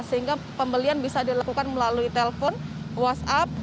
sehingga pembelian bisa dilakukan melalui telepon whatsapp